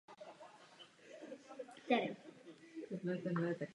Ve městě se nachází zoologická zahrada.